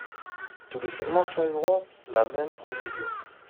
Tous les segments suivront la même procédure.